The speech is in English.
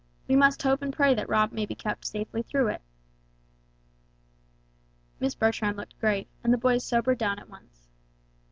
We must hope and pray that Rob may be kept safely through it." Miss Bertram looked grave, and the boys sobered down at once.